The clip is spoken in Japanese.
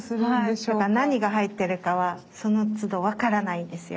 何が入ってるかはそのつど分からないんですよ。